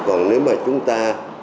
còn nếu mà chúng ta